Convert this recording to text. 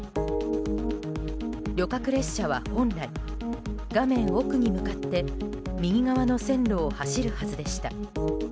旅客列車は本来画面奥に向かって右側の線路を走るはずでした。